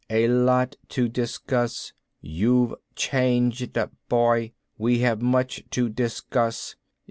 A lot to discuss. You've changed, boy. We have much to discuss.